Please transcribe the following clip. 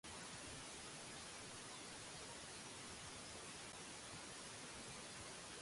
It has been described by the Archbishops' Council as a small, friendly, family-orientated church.